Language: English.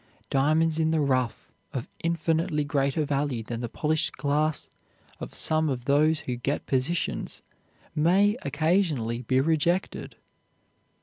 Diamonds in the rough of infinitely greater value than the polished glass of some of those who get positions may, occasionally, be rejected.